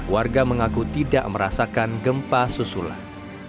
warga mengaku tidak merasakan gempa susulan